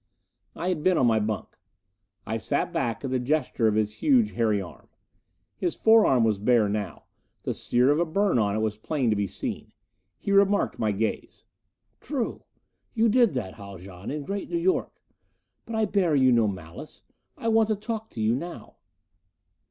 I had been on my bunk. I sank back at the gesture of his huge hairy arm. His forearm was bare now; the sear of a burn on it was plain to be seen. He remarked my gaze. "True. You did that, Haljan, in Great New York. But I bear you no malice. I want to talk to you now."